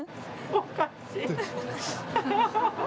おかしい！